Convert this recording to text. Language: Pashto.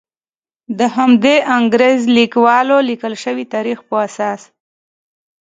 د همدې انګریز لیکوالو لیکل شوي تاریخ په اساس.